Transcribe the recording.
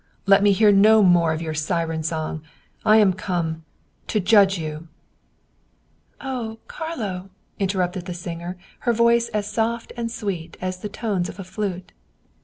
" Let me hear no more of your siren song. I am come to judge you !"" Oh, Carlo !" interrupted the singer, her voice as soft 96 Wilhelm Hauff and sweet as the tones of a flute.